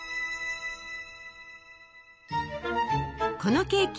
このケーキ